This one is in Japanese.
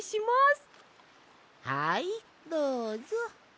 はいどうぞ。